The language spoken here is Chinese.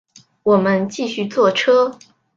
我们继续坐车